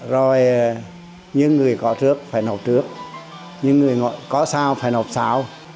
rồi những người có trước phải nộp trước những người có sau phải nộp sau